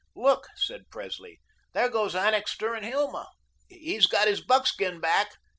"Look," said Presley, "there goes Annixter and Hilma. He's got his buckskin back."